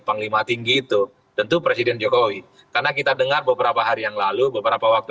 panglima tinggi itu tentu presiden jokowi karena kita dengar beberapa hari yang lalu beberapa waktu